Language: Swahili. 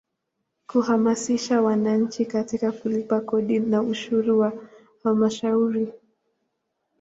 Kuhamasisha wananchi katika kulipa kodi na ushuru wa Halmashauri.